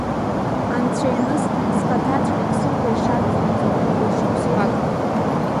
Анцәа иныс, схаҭаҵәҟьагь сықәра ишацнаҵо уи шықәсқәак.